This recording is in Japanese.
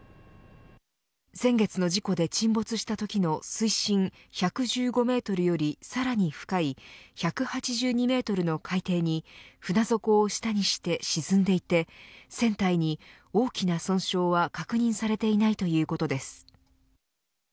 先月の事故で沈没したときの水深１１５メートルよりさらに深い１８２メートルの海底に船底を下にして沈んでいて船体に大きな損傷は確認されていないということです。